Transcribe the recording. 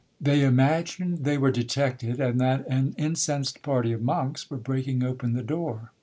They imagined they were detected, and that an incensed party of monks were breaking open the door.